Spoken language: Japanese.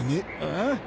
ああ？